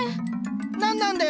何なんだよ